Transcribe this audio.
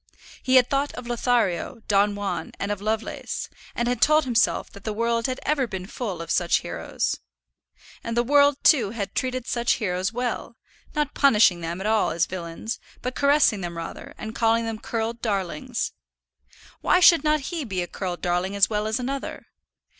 He had thought of Lothario, Don Juan, and of Lovelace; and had told himself that the world had ever been full of such heroes. And the world, too, had treated such heroes well; not punishing them at all as villains, but caressing them rather, and calling them curled darlings. Why should not he be a curled darling as well as another?